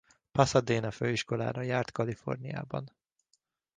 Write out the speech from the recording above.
Pasadena Főiskolára járt Kaliforniában.